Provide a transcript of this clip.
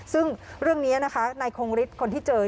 ซึ่งเรื่องนี้นะคะในโครงริสต์คนที่เจอ